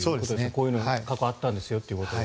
こういうことが過去あったんですよというのは。